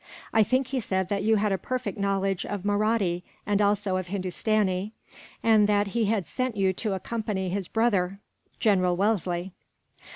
I think he said that you had a perfect knowledge of Mahratti, and also of Hindustani; and that he had sent you to accompany his brother, General Wellesley.